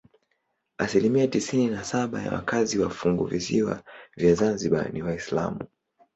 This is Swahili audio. Asilimia tisini na saba ya wakazi wa funguvisiwa vya Zanzibar ni Waislamu.